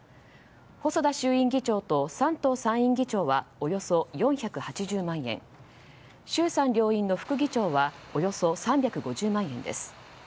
細田衆院議長と山東参院議長はおよそ４８０万円衆参両院の副議長はおよそ３５０万円です。